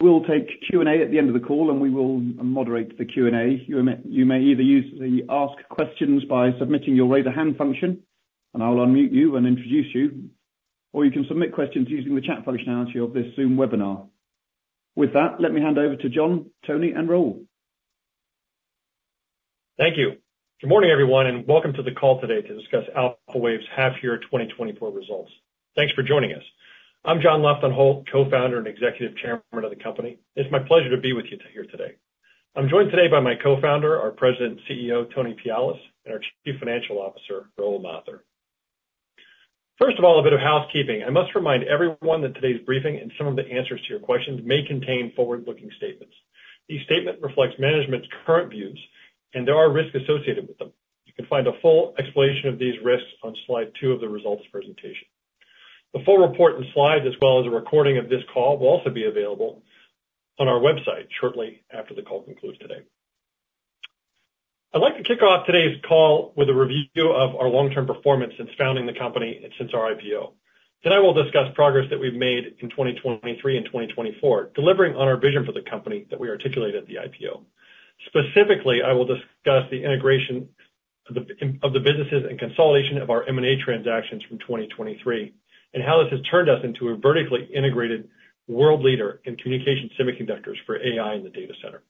We'll take Q&A at the end of the call, and we will moderate the Q&A. You may either use the ask questions by submitting your raise a hand function, and I'll unmute you and introduce you, or you can submit questions using the chat functionality of this Zoom webinar. With that, let me hand over to John, Tony, and Rahul. Thank you. Good morning, everyone, and welcome to the call today to discuss Alphawave's half year 2024 results. Thanks for joining us. I'm John Lofton Holt, co-founder and Executive Chairman of the company. It's my pleasure to be with you here today. I'm joined today by my co-founder, our President and CEO, Tony Pialis, and our Chief Financial Officer, Rahul Mathur. First of all, a bit of housekeeping. I must remind everyone that today's briefing and some of the answers to your questions may contain forward-looking statements. These statements reflect management's current views, and there are risks associated with them. You can find a full explanation of these risks on Slide two of the results presentation. The full report and slides, as well as a recording of this call, will also be available on our website shortly after the call concludes today. I'd like to kick off today's call with a review of our long-term performance since founding the company and since our IPO. Today, I will discuss progress that we've made in 2023 and 2024, delivering on our vision for the company that we articulated at the IPO. Specifically, I will discuss the integration of the businesses and consolidation of our M&A transactions from 2023, and how this has turned us into a vertically integrated world leader in communication semiconductors for AI in the data center.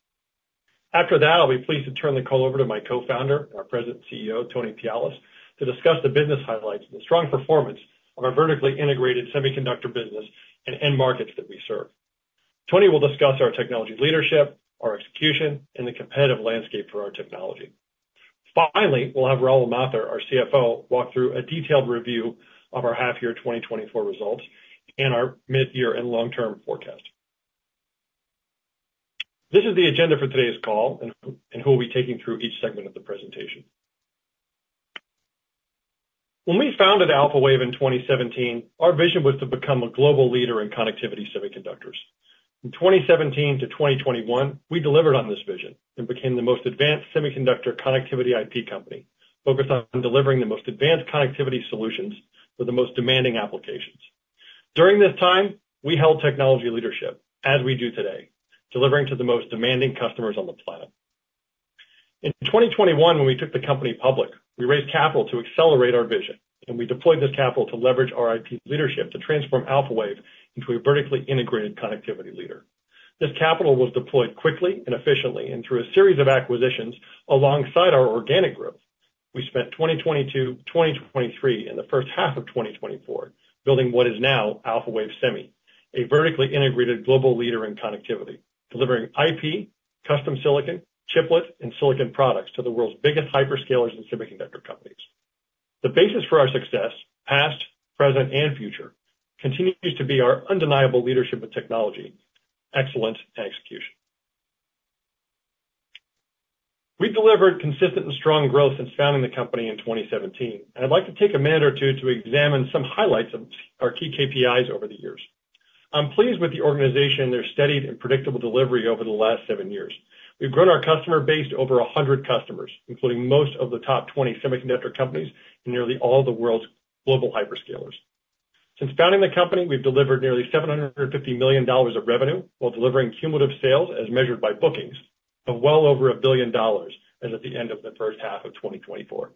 After that, I'll be pleased to turn the call over to my co-founder, our President and CEO, Tony Pialis, to discuss the business highlights and the strong performance of our vertically integrated semiconductor business and end markets that we serve. Tony will discuss our technology leadership, our execution, and the competitive landscape for our technology. Finally, we'll have Rahul Mathur, our CFO, walk through a detailed review of our half-year 2024 results and our mid-year and long-term forecast. This is the agenda for today's call and who will be taking through each segment of the presentation. When we founded Alphawave in 2017, our vision was to become a global leader in connectivity semiconductors. In 2017 to 2021, we delivered on this vision and became the most advanced semiconductor connectivity IP company, focused on delivering the most advanced connectivity solutions for the most demanding applications. During this time, we held technology leadership, as we do today, delivering to the most demanding customers on the planet. In 2021, when we took the company public, we raised capital to accelerate our vision, and we deployed this capital to leverage our IP leadership to transform Alphawave into a vertically integrated connectivity leader. This capital was deployed quickly and efficiently, and through a series of acquisitions, alongside our organic growth, we spent 2022, 2023, and the first half of 2024, building what is now Alphawave Semi, a vertically integrated global leader in connectivity, delivering IP, custom silicon, chiplet, and silicon products to the world's biggest hyperscalers and semiconductor companies. The basis for our success, past, present, and future, continues to be our undeniable leadership in technology, excellence, and execution. We've delivered consistent and strong growth since founding the company in 2017, and I'd like to take a minute or two to examine some highlights of our key KPIs over the years. I'm pleased with the organization and their steady and predictable delivery over the last seven years. We've grown our customer base to over a hundred customers, including most of the top 20 semiconductor companies and nearly all the world's global hyperscalers. Since founding the company, we've delivered nearly $750 million of revenue, while delivering cumulative sales, as measured by bookings, of well over $1 billion, as at the end of the first half of 2024.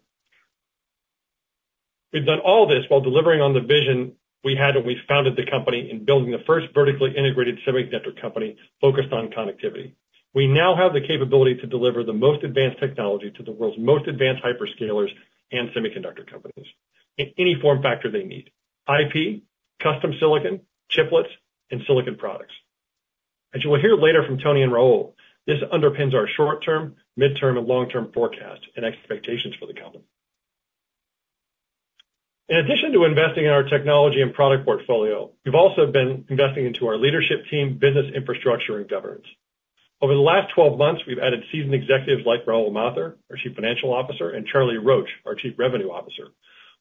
We've done all this while delivering on the vision we had when we founded the company in building the first vertically integrated semiconductor company focused on connectivity. We now have the capability to deliver the most advanced technology to the world's most advanced hyperscalers and semiconductor companies in any form factor they need: IP, custom silicon, chiplets, and silicon products. As you will hear later from Tony and Rahul, this underpins our short-term, midterm, and long-term forecast and expectations for the company. In addition to investing in our technology and product portfolio, we've also been investing into our leadership team, business infrastructure, and governance. Over the last twelve months, we've added seasoned executives like Rahul Mathur, our Chief Financial Officer, and Charlie Roach, our Chief Revenue Officer.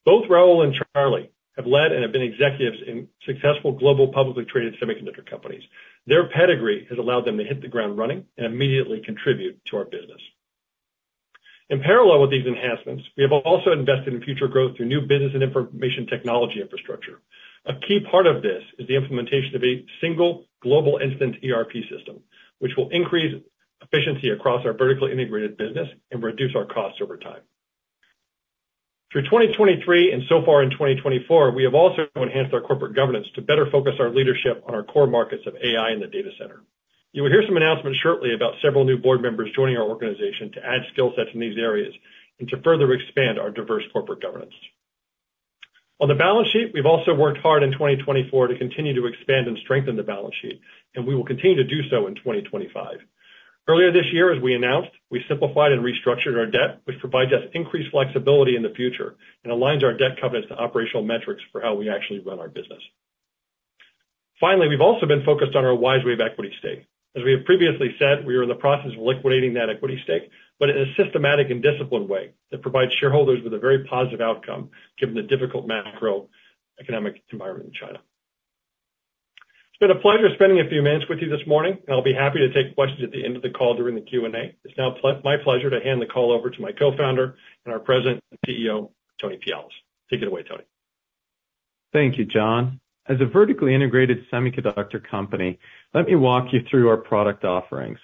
Both Rahul and Charlie have led and have been executives in successful global publicly traded semiconductor companies. Their pedigree has allowed them to hit the ground running and immediately contribute to our business. In parallel with these enhancements, we have also invested in future growth through new business and information technology infrastructure. A key part of this is the implementation of a single global instance ERP system, which will increase efficiency across our vertically integrated business and reduce our costs over time. Through 2023 and so far in 2024, we have also enhanced our corporate governance to better focus our leadership on our core markets of AI and the data center. You will hear some announcements shortly about several new board members joining our organization to add skill sets in these areas and to further expand our diverse corporate governance. On the balance sheet, we've also worked hard in 2024 to continue to expand and strengthen the balance sheet, and we will continue to do so in 2025. Earlier this year, as we announced, we simplified and restructured our debt, which provides us increased flexibility in the future and aligns our debt covenants to operational metrics for how we actually run our business. Finally, we've also been focused on our WiseWave equity stake. As we have previously said, we are in the process of liquidating that equity stake, but in a systematic and disciplined way that provides shareholders with a very positive outcome, given the difficult macroeconomic environment in China. It's been a pleasure spending a few minutes with you this morning, and I'll be happy to take questions at the end of the call during the Q&A. It's now my pleasure to hand the call over to my co-founder and our President and CEO, Tony Pialis. Take it away, Tony. Thank you, John. As a vertically integrated semiconductor company, let me walk you through our product offerings.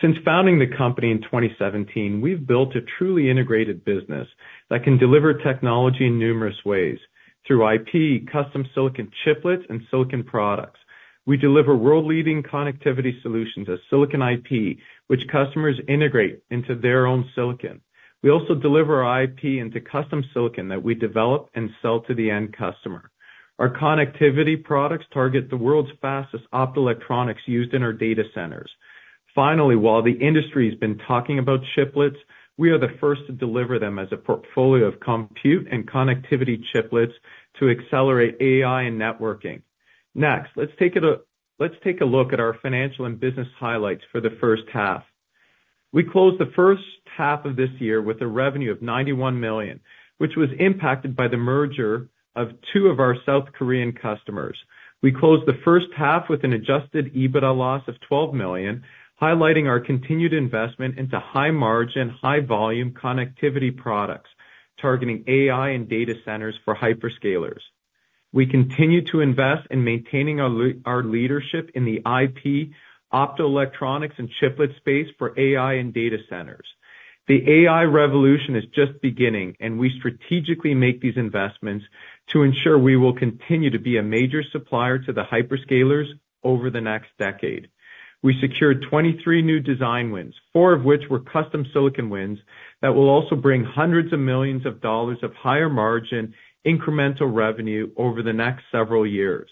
Since founding the company in 2017, we've built a truly integrated business that can deliver technology in numerous ways. Through IP, custom silicon chiplets, and silicon products, we deliver world-leading connectivity solutions as silicon IP, which customers integrate into their own silicon. We also deliver our IP into custom silicon that we develop and sell to the end customer. Our connectivity products target the world's fastest optoelectronics used in our data centers. Finally, while the industry has been talking about chiplets, we are the first to deliver them as a portfolio of compute and connectivity chiplets to accelerate AI and networking. Next, let's take a look at our financial and business highlights for the first half. We closed the first half of this year with a revenue of $91 million, which was impacted by the merger of two of our South Korean customers. We closed the first half with an adjusted EBITDA loss of $12 million, highlighting our continued investment into high margin, high volume connectivity products, targeting AI and data centers for hyperscalers. We continue to invest in maintaining our our leadership in the IP, optoelectronics, and chiplet space for AI and data centers. The AI revolution is just beginning, and we strategically make these investments to ensure we will continue to be a major supplier to the hyperscalers over the next decade. We secured 23 new design wins, four of which were custom silicon wins, that will also bring hundreds of millions of dollars of higher margin, incremental revenue over the next several years.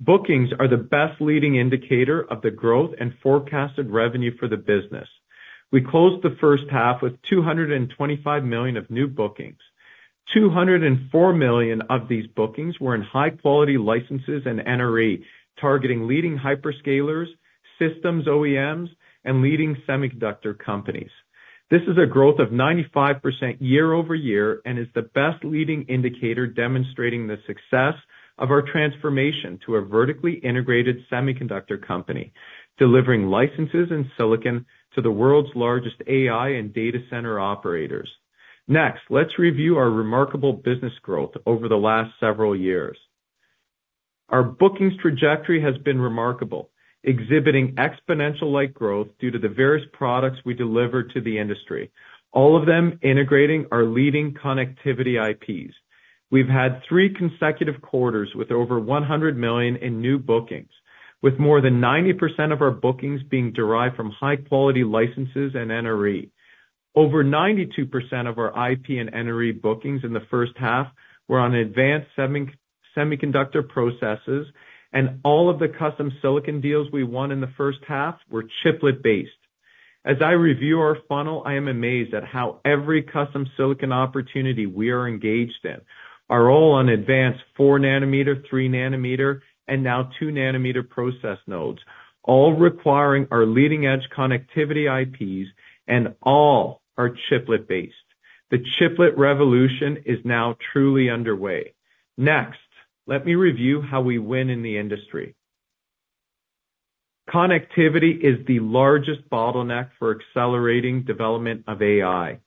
Bookings are the best leading indicator of the growth and forecasted revenue for the business. We closed the first half with $225 million of new bookings. $204 million of these bookings were in high quality licenses and NRE, targeting leading hyperscalers, systems OEMs, and leading semiconductor companies. This is a growth of 95% year over year and is the best leading indicator demonstrating the success of our transformation to a vertically integrated semiconductor company, delivering licenses and silicon to the world's largest AI and data center operators. Next, let's review our remarkable business growth over the last several years. Our bookings trajectory has been remarkable, exhibiting exponential-like growth due to the various products we deliver to the industry, all of them integrating our leading connectivity IPs. We've had three consecutive quarters with over $100 million in new bookings, with more than 90% of our bookings being derived from high-quality licenses and NRE. Over 92% of our IP and NRE bookings in the first half were on advanced semiconductor processes, and all of the custom silicon deals we won in the first half were chiplet-based. As I review our funnel, I am amazed at how every custom silicon opportunity we are engaged in are all on advanced 4 nm, 3 nm, and now 2 nm process nodes, all requiring our leading-edge connectivity IPs, and all are chiplet-based. The chiplet revolution is now truly underway. Next, let me review how we win in the industry. Connectivity is the largest bottleneck for accelerating development of AI.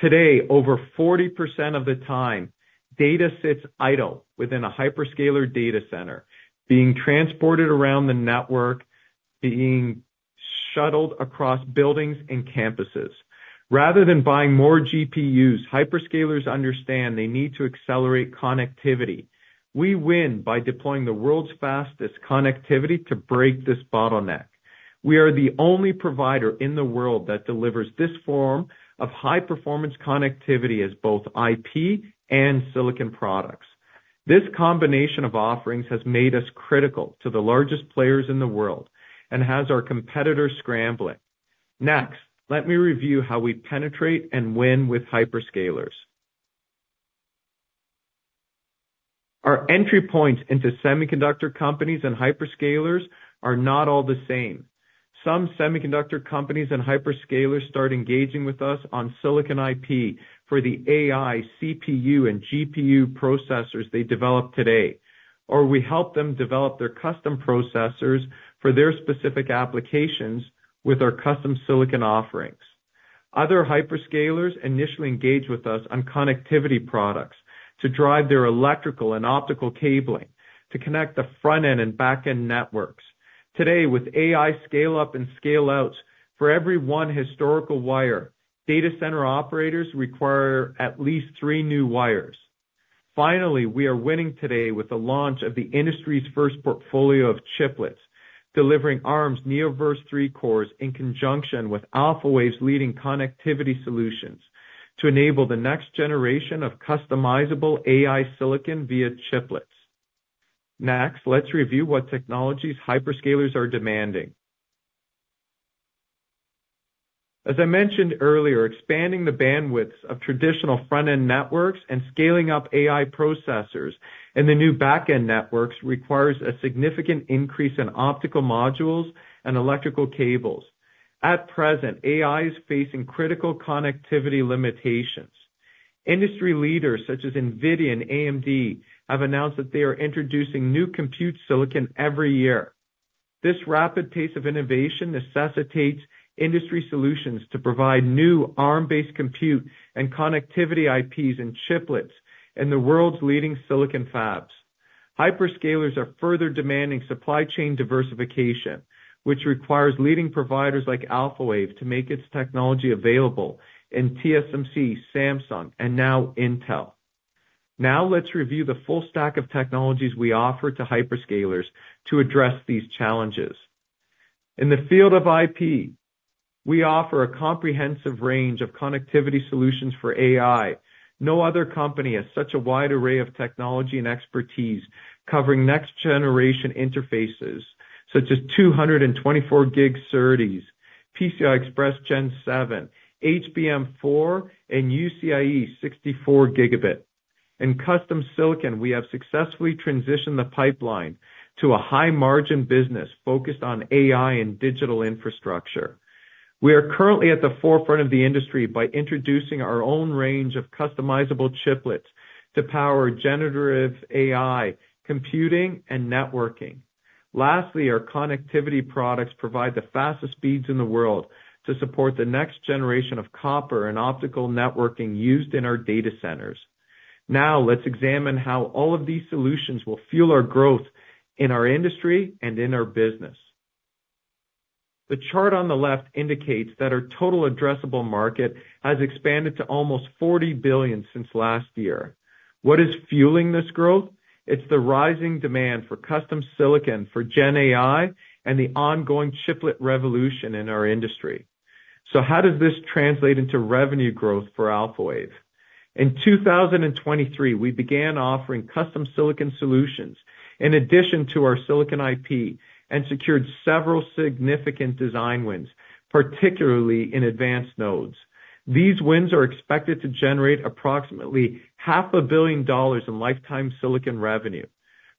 Today, over 40% of the time, data sits idle within a hyperscaler data center, being transported around the network, being shuttled across buildings and campuses. Rather than buying more GPUs, hyperscalers understand they need to accelerate connectivity. We win by deploying the world's fastest connectivity to break this bottleneck. We are the only provider in the world that delivers this form of high-performance connectivity as both IP and silicon products. This combination of offerings has made us critical to the largest players in the world and has our competitors scrambling. Next, let me review how we penetrate and win with hyperscalers. Our entry points into semiconductor companies and hyperscalers are not all the same. Some semiconductor companies and hyperscalers start engaging with us on silicon IP for the AI, CPU, and GPU processors they develop today, or we help them develop their custom processors for their specific applications with our custom silicon offerings. Other hyperscalers initially engage with us on connectivity products to drive their electrical and optical cabling to connect the front-end and back-end networks. Today, with AI scale-up and scale-outs, for every one historical wire, data center operators require at least three new wires. Finally, we are winning today with the launch of the industry's first portfolio of chiplets, delivering Arm's Neoverse V3 cores in conjunction with Alphawave's leading connectivity solutions to enable the next generation of customizable AI silicon via chiplets. Next, let's review what technologies hyperscalers are demanding. As I mentioned earlier, expanding the bandwidth of traditional front-end networks and scaling up AI processors in the new back-end networks requires a significant increase in optical modules and electrical cables. At present, AI is facing critical connectivity limitations. Industry leaders such as NVIDIA and AMD have announced that they are introducing new compute silicon every year. This rapid pace of innovation necessitates industry solutions to provide new Arm-based compute and connectivity IPs and chiplets in the world's leading silicon fabs. Hyperscalers are further demanding supply chain diversification, which requires leading providers like Alphawave to make its technology available in TSMC, Samsung, and now Intel. Now let's review the full stack of technologies we offer to hyperscalers to address these challenges. In the field of IP, we offer a comprehensive range of connectivity solutions for AI. No other company has such a wide array of technology and expertise, covering next-generation interfaces, such as 224G SerDes, PCIe Gen 7, HBM4, and UCIe 64 gigabit. In custom silicon, we have successfully transitioned the pipeline to a high-margin business focused on AI and digital infrastructure. We are currently at the forefront of the industry by introducing our own range of customizable chiplets to power generative AI, computing, and networking. Lastly, our connectivity products provide the fastest speeds in the world to support the next generation of copper and optical networking used in our data centers. Now, let's examine how all of these solutions will fuel our growth in our industry and in our business. The chart on the left indicates that our total addressable market has expanded to almost $40 billion since last year. What is fueling this growth? It's the rising demand for custom silicon for Gen AI and the ongoing chiplet revolution in our industry. So how does this translate into revenue growth for Alphawave? In 2023, we began offering custom silicon solutions in addition to our silicon IP, and secured several significant design wins, particularly in advanced nodes. These wins are expected to generate approximately $500 million in lifetime silicon revenue.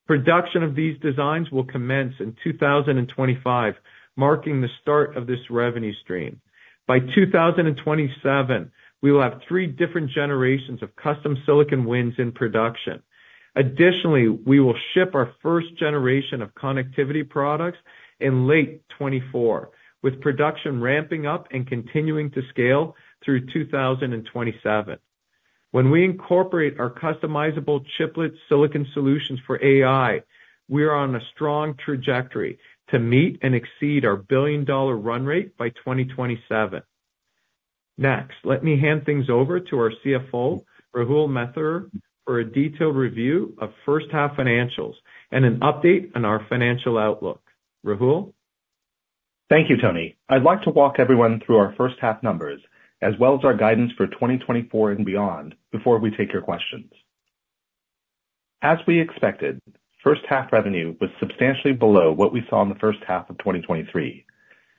Production of these designs will commence in 2025, marking the start of this revenue stream. By 2027, we will have three different generations of custom silicon wins in production. Additionally, we will ship our first generation of connectivity products in late 2024, with production ramping up and continuing to scale through 2027. When we incorporate our customizable chiplet silicon solutions for AI, we are on a strong trajectory to meet and exceed our $1 billion run rate by 2027. Next, let me hand things over to our CFO, Rahul Mathur, for a detailed review of first half financials and an update on our financial outlook. Rahul? Thank you, Tony. I'd like to walk everyone through our first half numbers, as well as our guidance for 2024 and beyond, before we take your questions. As we expected, first half revenue was substantially below what we saw in the first half of 2023.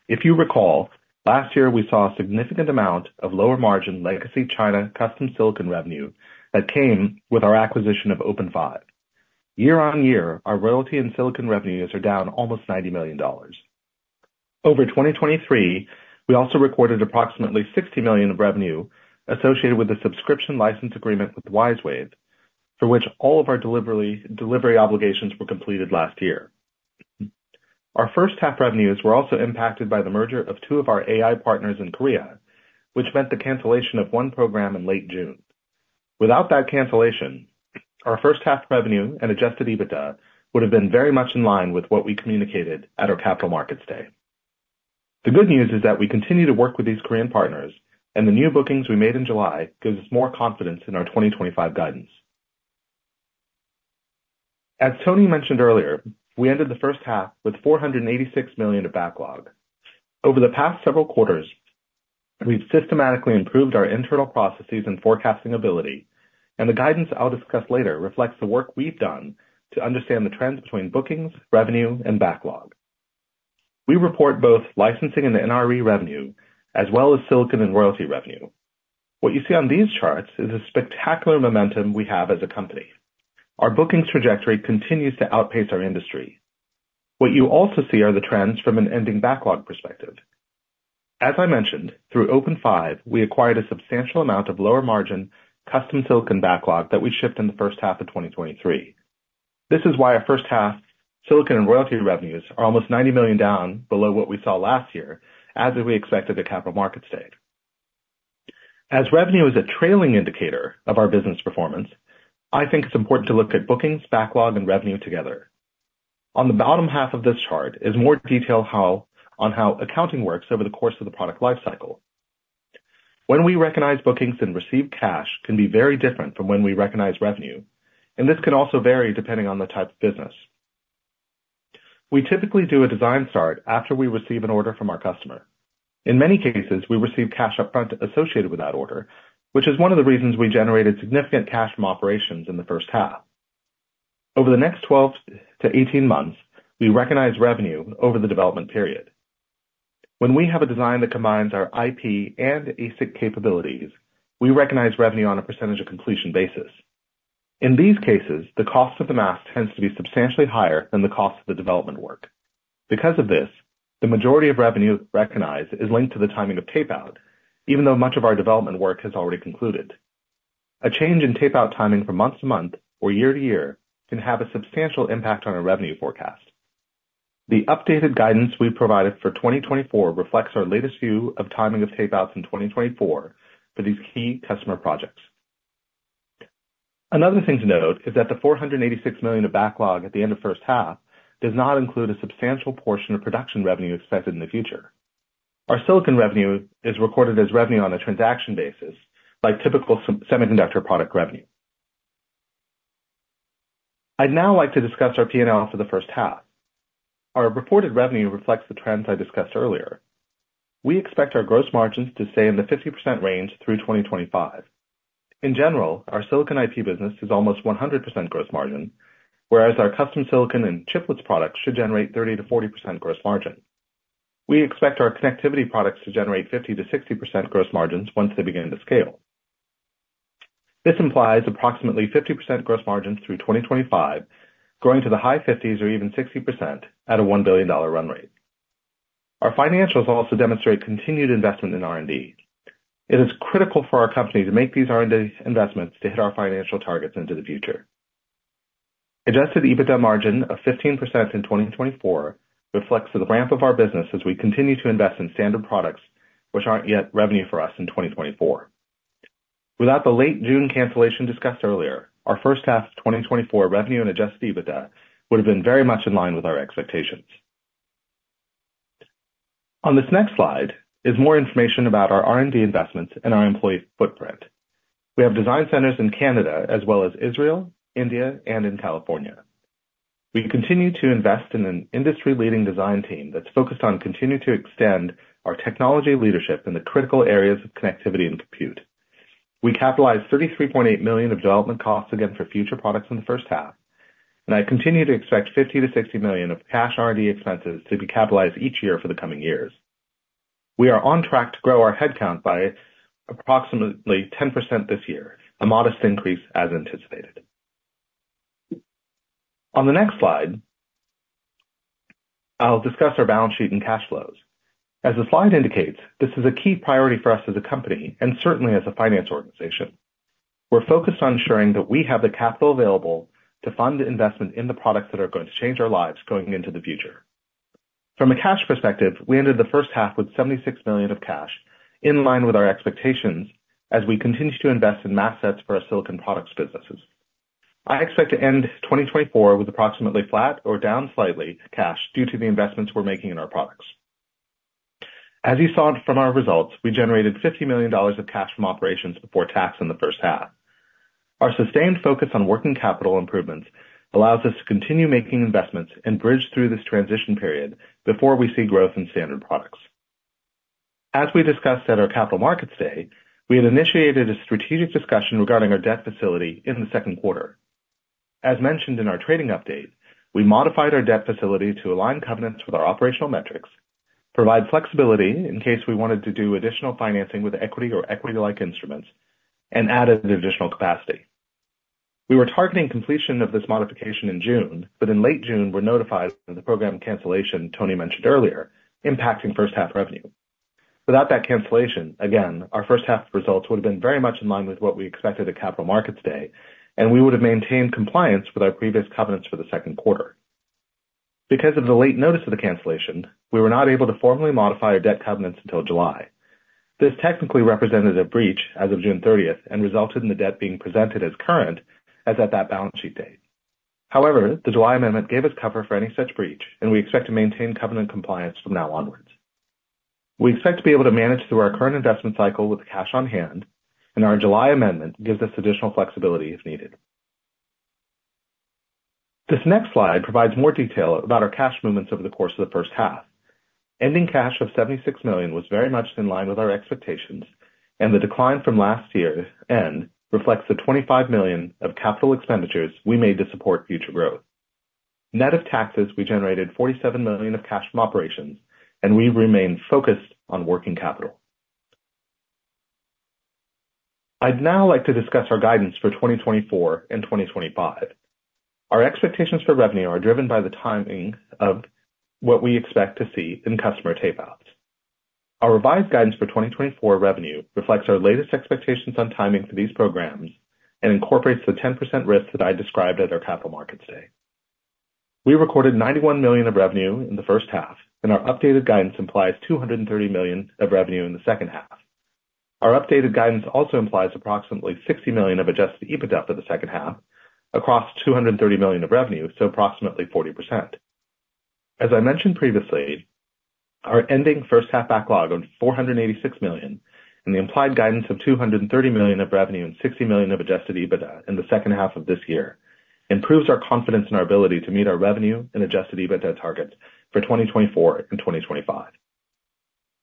If you recall, last year, we saw a significant amount of lower margin legacy China custom silicon revenue that came with our acquisition of OpenFive. Year on year, our royalty and silicon revenues are down almost $90 million. Over 2023, we also recorded approximately $60 million of revenue associated with a subscription license agreement with WiseWave, for which all of our delivery obligations were completed last year. Our first half revenues were also impacted by the merger of two of our AI partners in Korea, which meant the cancellation of one program in late June. Without that cancellation, our first half revenue and adjusted EBITDA would have been very much in line with what we communicated at our Capital Markets Day. The good news is that we continue to work with these Korean partners, and the new bookings we made in July gives us more confidence in our 2025 guidance. As Tony mentioned earlier, we ended the first half with $486 million of backlog. Over the past several quarters, we've systematically improved our internal processes and forecasting ability, and the guidance I'll discuss later reflects the work we've done to understand the trends between bookings, revenue, and backlog. We report both licensing and NRE revenue, as well as silicon and royalty revenue. What you see on these charts is a spectacular momentum we have as a company. Our bookings trajectory continues to outpace our industry. What you also see are the trends from an ending backlog perspective. As I mentioned, through OpenFive, we acquired a substantial amount of lower-margin custom silicon backlog that we shipped in the first half of 2023. This is why our first half silicon and royalty revenues are almost $90 million down below what we saw last year, as we expected at Capital Markets Day. As revenue is a trailing indicator of our business performance, I think it's important to look at bookings, backlog, and revenue together. On the bottom half of this chart is more detail on how accounting works over the course of the product life cycle. When we recognize bookings and receive cash, can be very different from when we recognize revenue, and this can also vary depending on the type of business. We typically do a design start after we receive an order from our customer. In many cases, we receive cash upfront associated with that order, which is one of the reasons we generated significant cash from operations in the first half. Over the next 12-18 months, we recognize revenue over the development period. When we have a design that combines our IP and ASIC capabilities, we recognize revenue on a percentage of completion basis. In these cases, the cost of the mask tends to be substantially higher than the cost of the development work. Because of this, the majority of revenue recognized is linked to the timing of payout, even though much of our development work has already concluded. A change in tape-out timing from month to month or year to year can have a substantial impact on our revenue forecast. The updated guidance we provided for 2024 reflects our latest view of timing of tape-outs in 2024 for these key customer projects. Another thing to note is that the $486 million of backlog at the end of first half does not include a substantial portion of production revenue expected in the future. Our silicon revenue is recorded as revenue on a transaction basis by typical semiconductor product revenue. I'd now like to discuss our P&L for the first half. Our reported revenue reflects the trends I discussed earlier. We expect our gross margins to stay in the 50% range through 2025. In general, our silicon IP business is almost 100% gross margin, whereas our custom silicon and chiplets products should generate 30%-40% gross margin. We expect our connectivity products to generate 50%-60% gross margins once they begin to scale. This implies approximately 50% gross margins through 2025, growing to the high 50s or even 60% at a $1 billion run rate. Our financials also demonstrate continued investment in R&D. It is critical for our company to make these R&D investments to hit our financial targets into the future. Adjusted EBITDA margin of 15% in 2024 reflects the ramp of our business as we continue to invest in standard products, which aren't yet revenue for us in 2024. Without the late June cancellation discussed earlier, our first half of 2024 revenue and adjusted EBITDA would have been very much in line with our expectations. On this next slide is more information about our R&D investments and our employee footprint. We have design centers in Canada as well as Israel, India and in California. We continue to invest in an industry-leading design team that's focused on continuing to extend our technology leadership in the critical areas of connectivity and compute. We capitalized $33.8 million of development costs again for future products in the first half, and I continue to expect $50 million-$60 million of cash R&D expenses to be capitalized each year for the coming years. We are on track to grow our headcount by approximately 10% this year, a modest increase as anticipated. On the next slide, I'll discuss our balance sheet and cash flows. As the slide indicates, this is a key priority for us as a company and certainly as a finance organization. We're focused on ensuring that we have the capital available to fund the investment in the products that are going to change our lives going into the future. From a cash perspective, we ended the first half with $76 million of cash, in line with our expectations as we continue to invest in mask sets for our silicon products businesses. I expect to end 2024 with approximately flat or down slightly cash due to the investments we're making in our products. As you saw from our results, we generated $50 million of cash from operations before tax in the first half. Our sustained focus on working capital improvements allows us to continue making investments and bridge through this transition period before we see growth in standard products. As we discussed at our Capital Markets Day, we had initiated a strategic discussion regarding our debt facility in the second quarter. As mentioned in our trading update, we modified our debt facility to align covenants with our operational metrics, provide flexibility in case we wanted to do additional financing with equity or equity-like instruments, and added additional capacity. We were targeting completion of this modification in June, but in late June, were notified of the program cancellation Tony mentioned earlier, impacting first half revenue. Without that cancellation, again, our first half results would have been very much in line with what we expected at Capital Markets Day, and we would have maintained compliance with our previous covenants for the second quarter. Because of the late notice of the cancellation, we were not able to formally modify our debt covenants until July. This technically represented a breach as of June thirtieth and resulted in the debt being presented as current as at that balance sheet date. However, the July amendment gave us cover for any such breach, and we expect to maintain covenant compliance from now onwards. We expect to be able to manage through our current investment cycle with the cash on hand, and our July amendment gives us additional flexibility if needed. This next slide provides more detail about our cash movements over the course of the first half. Ending cash of $76 million was very much in line with our expectations, and the decline from last year's end reflects the $25 million of capital expenditures we made to support future growth. Net of taxes, we generated $47 million of cash from operations, and we remain focused on working capital. I'd now like to discuss our guidance for 2024 and 2025. Our expectations for revenue are driven by the timing of what we expect to see in customer tape-outs. Our revised guidance for 2024 revenue reflects our latest expectations on timing for these programs and incorporates the 10% risk that I described at our Capital Markets Day. We recorded $91 million of revenue in the first half, and our updated guidance implies $230 million of revenue in the second half. Our updated guidance also implies approximately $60 million of adjusted EBITDA for the second half across $230 million of revenue, so approximately 40%. As I mentioned previously, our ending first half backlog of $486 million, and the implied guidance of $230 million of revenue and $60 million of adjusted EBITDA in the second half of this year, improves our confidence in our ability to meet our revenue and adjusted EBITDA targets for 2024 and 2025.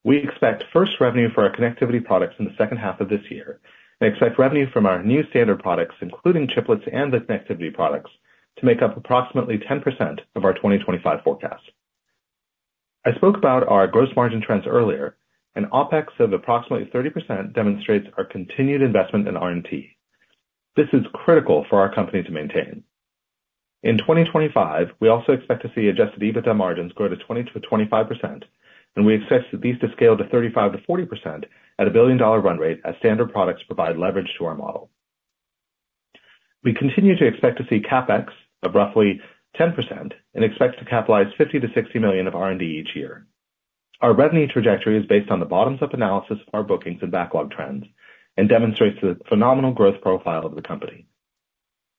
We expect first revenue for our connectivity products in the second half of this year and expect revenue from our new standard products, including chiplets and the connectivity products, to make up approximately 10% of our 2025 forecast. I spoke about our gross margin trends earlier, and OpEx of approximately 30% demonstrates our continued investment in R&D. This is critical for our company to maintain. In 2025, we also expect to see adjusted EBITDA margins grow to 20%-25%, and we expect these to scale to 35%-40% at a $1 billion run rate as standard products provide leverage to our model. We continue to expect to see CapEx of roughly 10% and expect to capitalize $50 million-$60 million of R&D each year. Our revenue trajectory is based on the bottoms-up analysis of our bookings and backlog trends and demonstrates the phenomenal growth profile of the company.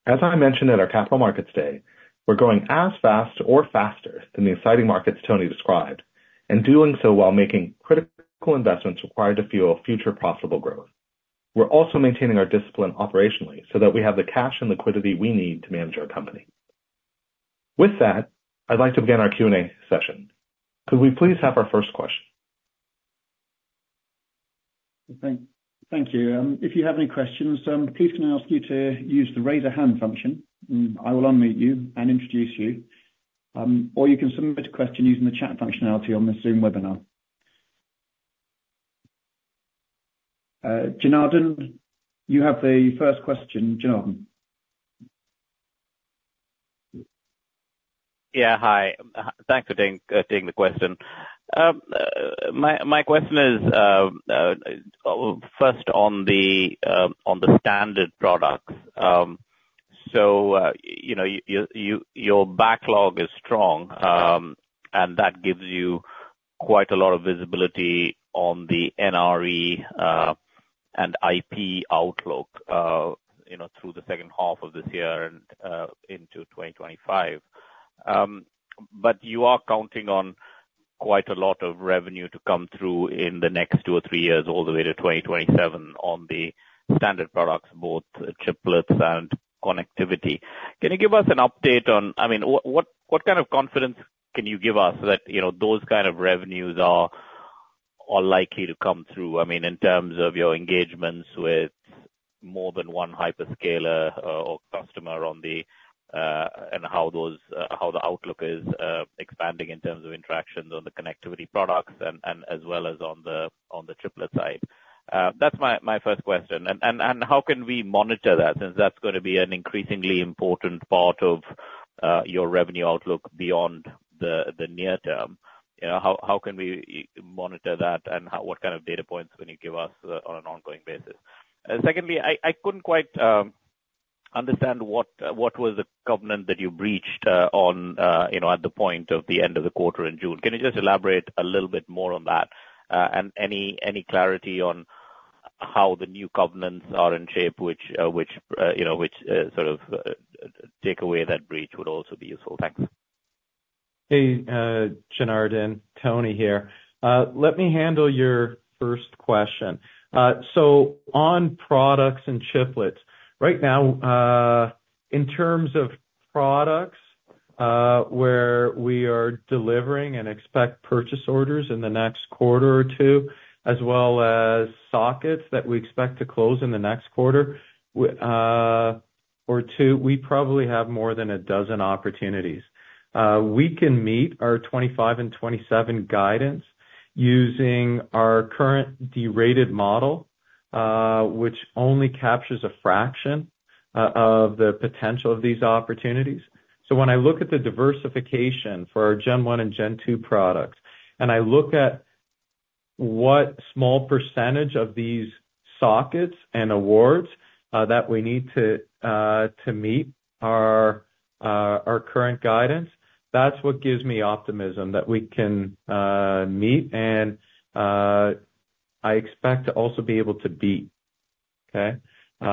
As I mentioned at our Capital Markets Day, we're growing as fast or faster than the exciting markets Tony described, and doing so while making critical investments required to fuel future profitable growth. We're also maintaining our discipline operationally so that we have the cash and liquidity we need to manage our company. With that, I'd like to begin our Q&A session. Could we please have our first question? Thank you. If you have any questions, please can I ask you to use the Raise a Hand function, and I will unmute you and introduce you. Or you can submit a question using the chat functionality on the Zoom webinar. Janardan, you have the first question. Janardan? Yeah, hi. Thanks for taking the question. My question is first on the standard products. So, you know, your backlog is strong, and that gives you quite a lot of visibility on the NRE and IP outlook, you know, through the second half of this year and into 2025. But you are counting on quite a lot of revenue to come through in the next two or three years, all the way to 2027 on the standard products, both chiplets and connectivity. Can you give us an update on, I mean, what kind of confidence can you give us that, you know, those kind of revenues are likely to come through? I mean, in terms of your engagements with more than one hyperscaler, or customer on the, and how those, the outlook is, expanding in terms of interactions on the connectivity products and, and as well as on the, on the chiplet side. That's my first question. And how can we monitor that, since that's going to be an increasingly important part of, your revenue outlook beyond the near term? You know, how can we monitor that, and what kind of data points can you give us, on an ongoing basis? And secondly, I couldn't quite understand what was the covenant that you breached, on, you know, at the point of the end of the quarter in June. Can you just elaborate a little bit more on that? And any clarity on how the new covenants are in shape, which, you know, sort of take away that breach would also be useful. Thanks. Hey, Janardan, Tony here. Let me handle your first question. So on products and chiplets, right now, in terms of products, where we are delivering and expect purchase orders in the next quarter or two, as well as sockets that we expect to close in the next quarter or two, we probably have more than a dozen opportunities. We can meet our 2025 and 2027 guidance using our current derated model, which only captures a fraction of the potential of these opportunities. So when I look at the diversification for our Gen 1 and Gen 2 products, and I look at what small percentage of these sockets and awards that we need to meet our current guidance, that's what gives me optimism that we can meet and I expect to also be able to beat. Okay? You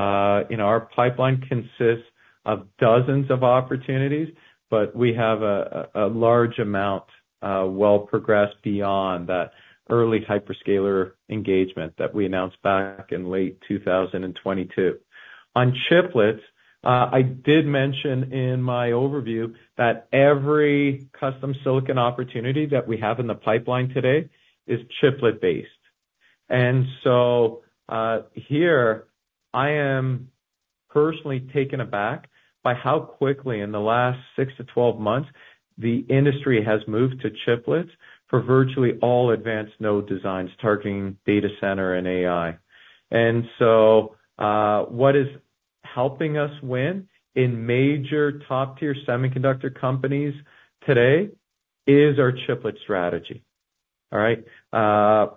know, our pipeline consists of dozens of opportunities, but we have a large amount well progressed beyond that early hyperscaler engagement that we announced back in late 2022. On chiplets, I did mention in my overview that every custom silicon opportunity that we have in the pipeline today is chiplet-based. And so, here I am personally taken aback by how quickly, in the last six to twelve months, the industry has moved to chiplets for virtually all advanced node designs targeting data center and AI. And so, what is helping us win in major top-tier semiconductor companies today is our chiplet strategy. All right?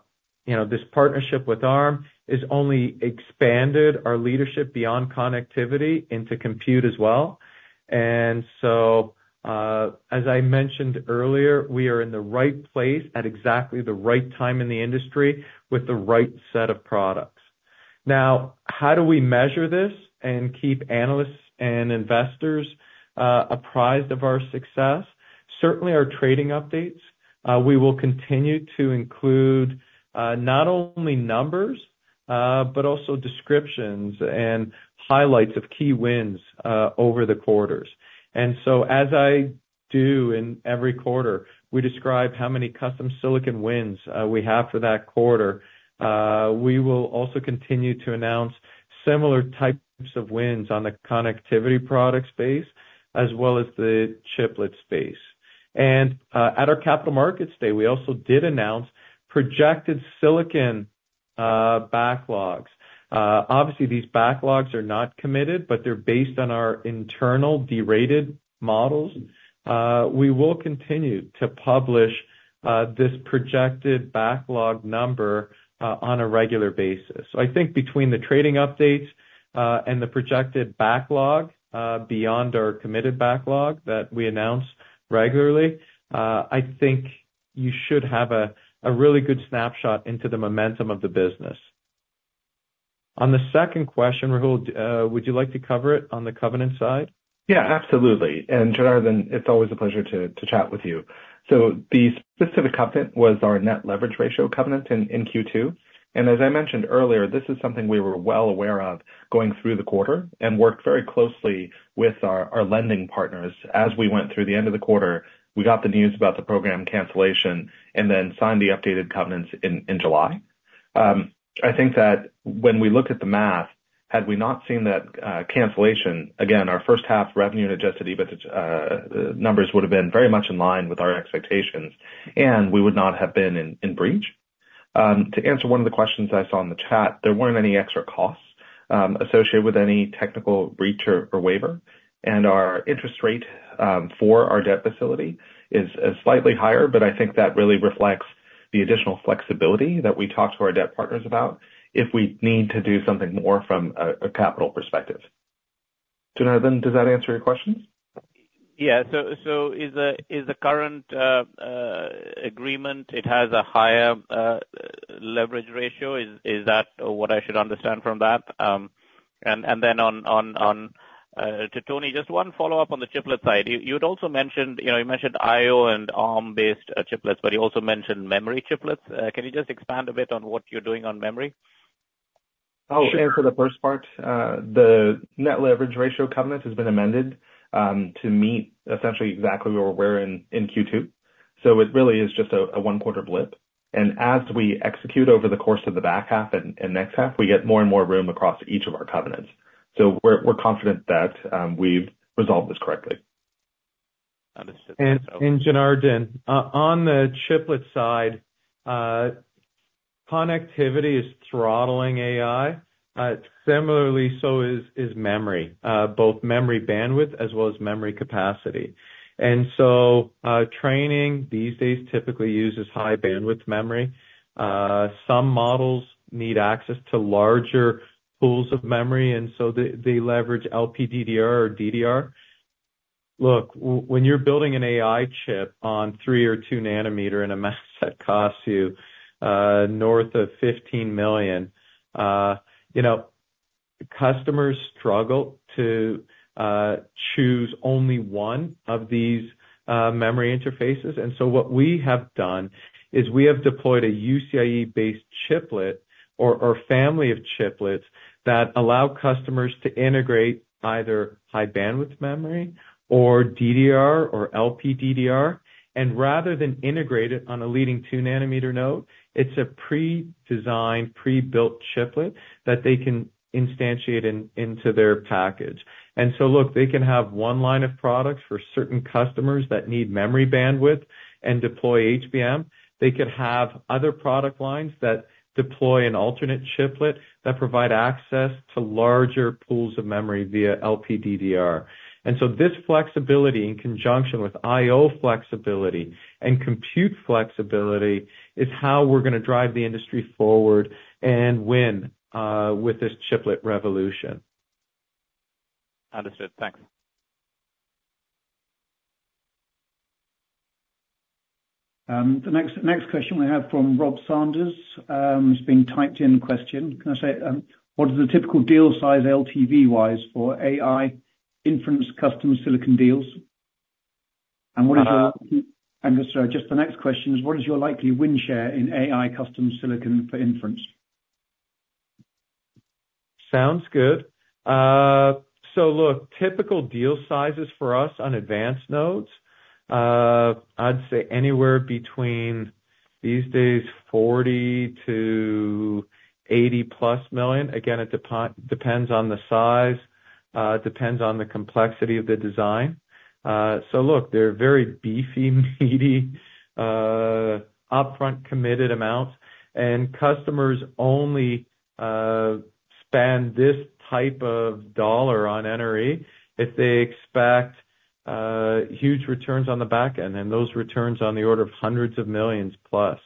You know, this partnership with Arm has only expanded our leadership beyond connectivity into compute as well. And so, as I mentioned earlier, we are in the right place at exactly the right time in the industry, with the right set of products. Now, how do we measure this and keep analysts and investors apprised of our success? Certainly, our trading updates. We will continue to include not only numbers but also descriptions and highlights of key wins over the quarters. And so as I do in every quarter, we describe how many custom silicon wins we have for that quarter. We will also continue to announce similar types of wins on the connectivity product space, as well as the chiplet space. And at our Capital Markets Day, we also did announce projected silicon backlogs. Obviously, these backlogs are not committed, but they're based on our internal derated models. We will continue to publish this projected backlog number on a regular basis. So I think between the trading updates and the projected backlog beyond our committed backlog that we announce regularly, I think you should have a really good snapshot into the momentum of the business. On the second question, Rahul, would you like to cover it on the covenant side? Yeah, absolutely. And Janardan, it's always a pleasure to chat with you. So the specific covenant was our net leverage ratio covenant in Q2. And as I mentioned earlier, this is something we were well aware of going through the quarter and worked very closely with our lending partners. As we went through the end of the quarter, we got the news about the program cancellation and then signed the updated covenants in July. I think that when we look at the math, had we not seen that cancellation, again, our first half revenue and adjusted EBIT numbers would have been very much in line with our expectations, and we would not have been in breach. To answer one of the questions I saw in the chat, there weren't any extra costs associated with any technical breach or waiver. And our interest rate for our debt facility is slightly higher, but I think that really reflects the additional flexibility that we talked to our debt partners about if we need to do something more from a capital perspective. Janardan, does that answer your question? Yeah. So, is the current agreement it has a higher leverage ratio? Is that what I should understand from that? And then on to Tony, just one follow-up on the chiplet side. You, you'd also mentioned, you know, you mentioned I/O and Arm-based chiplets, but you also mentioned memory chiplets. Can you just expand a bit on what you're doing on memory? Oh, sure. For the first part, the net leverage ratio covenant has been amended to meet essentially exactly where we're in Q2. So it really is just a one-quarter blip. And as we execute over the course of the back half and next half, we get more and more room across each of our covenants. So we're confident that we've resolved this correctly. Janardan, on the chiplet side, connectivity is throttling AI. Similarly, so is memory, both memory bandwidth as well as memory capacity. Training these days typically uses high bandwidth memory. Some models need access to larger pools of memory, and so they leverage LPDDR or DDR. Look, when you're building an AI chip 1 nm or 2 nm and a mask that costs you north of $15 million, you know, customers struggle to choose only one of these memory interfaces. What we have done is we have deployed a UCIe-based chiplet or family of chiplets that allow customers to integrate either high bandwidth memory or DDR or LPDDR, and rather than integrate it on a leading 2 nm node, it's a pre-designed, pre-built chiplet that they can instantiate into their package. And so look, they can have one line of products for certain customers that need memory bandwidth and deploy HBM. They could have other product lines that deploy an alternate chiplet that provide access to larger pools of memory via LPDDR. And so this flexibility, in conjunction with I/O flexibility and compute flexibility, is how we're gonna drive the industry forward and win with this chiplet revolution. Understood. Thanks. The next question we have from Rob Sanders. It's been typed in question. Can I say, what is the typical deal size LTV wise for AI inference, custom silicon deals? And what is your- Just the next question is: What is your likely win share in AI custom silicon for inference? Sounds good. So look, typical deal sizes for us on advanced nodes, I'd say anywhere between $40 million-$80+ million these days. Again, it depends on the size, depends on the complexity of the design. So look, they're very beefy, meaty, upfront committed amounts, and customers only spend this type of dollar on NRE if they expect huge returns on the back end, and those returns on the order of hundreds of millions plus.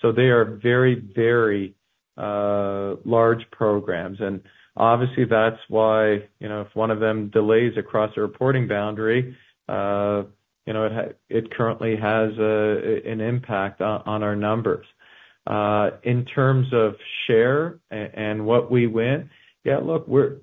So they are very, very large programs, and obviously that's why, you know, if one of them delays across a reporting boundary, you know, it currently has an impact on our numbers. In terms of share and what we win, yeah, look, we're...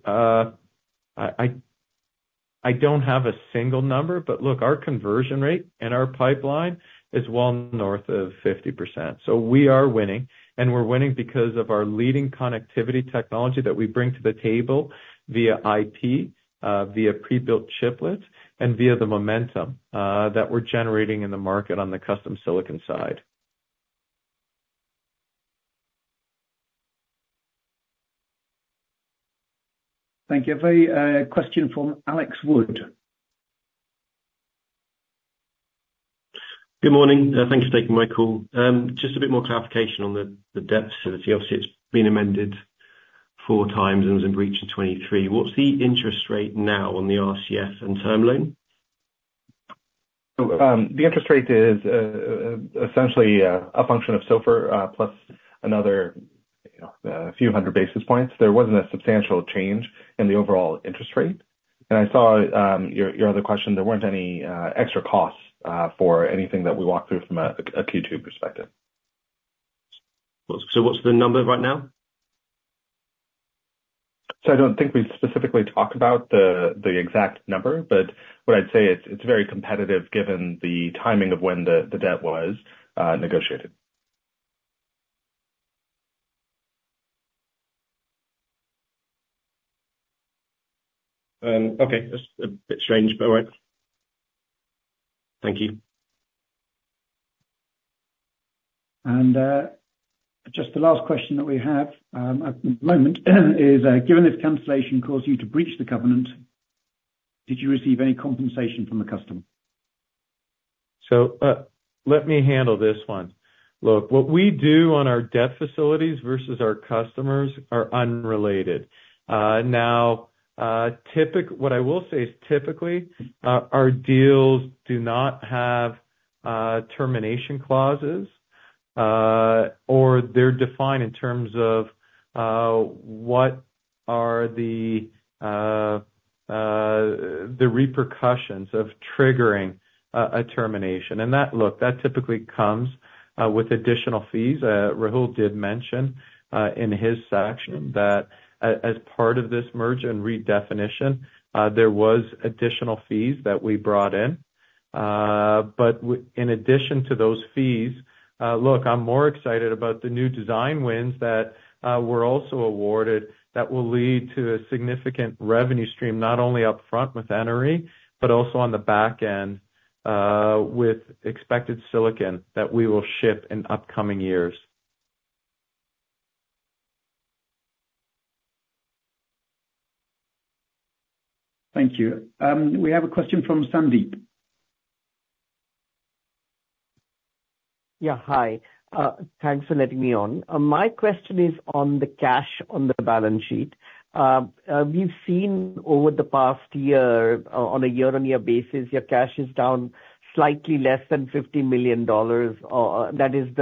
I don't have a single number, but look, our conversion rate and our pipeline is well north of 50%. So we are winning, and we're winning because of our leading connectivity technology that we bring to the table via IP, via pre-built chiplets, and via the momentum that we're generating in the market on the custom silicon side. Thank you. A very question from Alex Wood. Good morning. Thank you for taking my call. Just a bit more clarification on the debt facility. Obviously, it's been amended four times and was in breach in 2023. What's the interest rate now on the RCF and term loan? The interest rate is essentially a function of SOFR plus another few hundred basis points. There wasn't a substantial change in the overall interest rate. I saw your other question. There weren't any extra costs for anything that we walked through from a Q2 perspective. So what's the number right now? So I don't think we've specifically talked about the exact number, but what I'd say, it's very competitive given the timing of when the debt was negotiated. Okay. That's a bit strange, but all right. Thank you. Just the last question that we have at the moment is, given this cancellation caused you to breach the covenant, did you receive any compensation from the customer? So, let me handle this one. Look, what we do on our debt facilities versus our customers are unrelated. Now, what I will say is, typically, our deals do not have termination clauses, or they're defined in terms of what are the repercussions of triggering a termination. And that, look, that typically comes with additional fees. Rahul did mention in his section that as part of this merger and redefinition, there was additional fees that we brought in. But in addition to those fees, look, I'm more excited about the new design wins that were also awarded, that will lead to a significant revenue stream, not only up front with NRE, but also on the back end with expected silicon that we will ship in upcoming years. Thank you. We have a question from Sandeep. Yeah, hi. Thanks for letting me on. My question is on the cash on the balance sheet. We've seen over the past year, on a year-on-year basis, your cash is down slightly less than $50 million. That is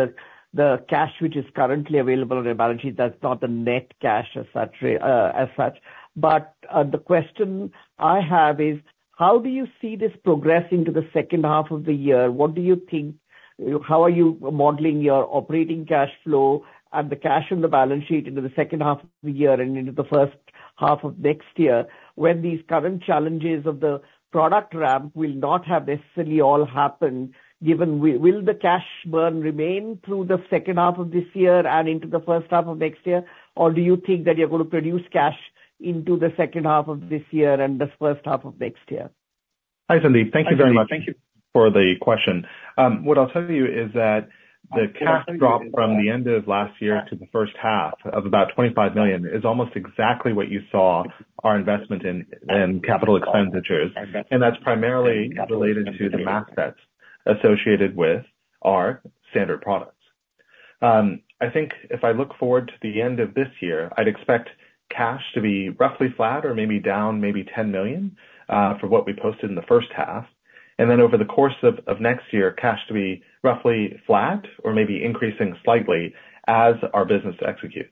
the cash which is currently available on your balance sheet, that's not the net cash as such. But, the question I have is: how do you see this progressing to the second half of the year? What do you think? How are you modeling your operating cash flow and the cash on the balance sheet into the second half of the year and into the first half of next year, when these current challenges of the product ramp will not have necessarily all happened, given, will the cash burn remain through the second half of this year and into the first half of next year? Or do you think that you're going to produce cash into the second half of this year and this first half of next year? Hi, Sandeep. Thank you very much- Thank you. For the question. What I'll tell you is that the cash drop from the end of last year to the first half, of about $25 million, is almost exactly what you saw our investment in capital expenditures, and that's primarily related to the assets associated with our standard products. I think if I look forward to the end of this year, I'd expect cash to be roughly flat or maybe down, maybe $10 million, from what we posted in the first half. Then over the course of next year, cash to be roughly flat or maybe increasing slightly as our business executes.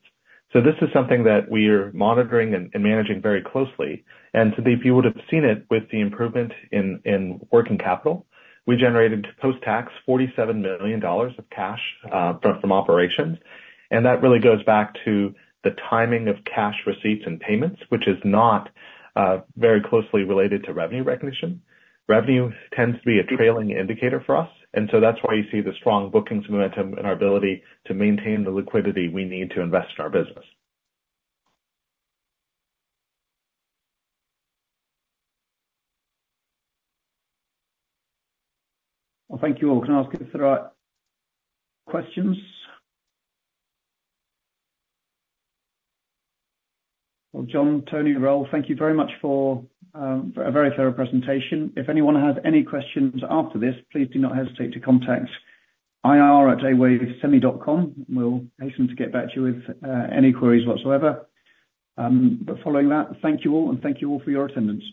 This is something that we're monitoring and managing very closely. Sandeep, you would have seen it with the improvement in working capital. We generated, post-tax, $47 million of cash from operations, and that really goes back to the timing of cash receipts and payments, which is not very closely related to revenue recognition. Revenue tends to be a trailing indicator for us, and so that's why you see the strong bookings momentum and our ability to maintain the liquidity we need to invest in our business. Thank you all. Can I ask if there are questions? John, Tony, Rahul, thank you very much for a very thorough presentation. If anyone has any questions after this, please do not hesitate to contact ir@alphawavesemi.com. We'll hasten to get back to you with any queries whatsoever. But following that, thank you all, and thank you all for your attendance.